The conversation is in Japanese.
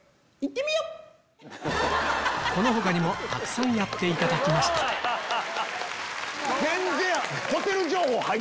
この他にもたくさんやっていただきました全然。